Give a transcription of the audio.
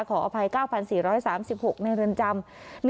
ขออภัย๙๔๓๖ในเรือนจำ